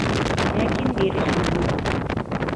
Ләкин бирешмәне.